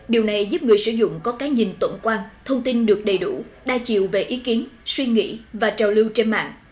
điều này giúp người sử dụng có cái nhìn tổng quan thông tin được đầy đủ đa chiều về ý kiến suy nghĩ và trào lưu trên mạng